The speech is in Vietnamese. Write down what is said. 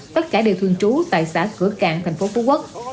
tất cả đều thường trú tại xã cửa cạn tp phú quốc